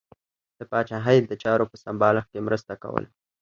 د پاچاهۍ د چارو په سمبالښت کې مرسته کوله.